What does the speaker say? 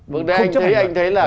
vừa nãy anh thấy anh thấy là